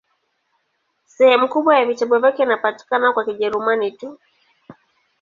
Sehemu kubwa ya vitabu vyake inapatikana kwa Kijerumani tu.